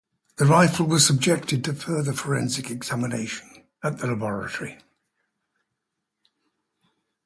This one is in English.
The rifle was subjected to further forensic examination at the laboratory.